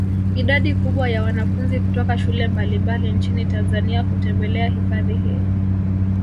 Idadi kubwa ya wanafunzi kutoka shule mbalimbali nchini Tanzania hutembelea hifadhi hii